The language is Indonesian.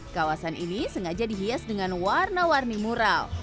kawasan ini sengaja dihias dengan warna warni mural